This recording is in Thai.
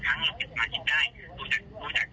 และมีการเก็บเงินรายเดือนจริง